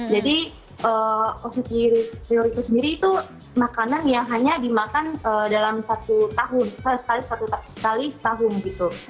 jadi osechi ryori itu sendiri itu makanan yang hanya dimakan dalam satu tahun sekali satukali tahun gitu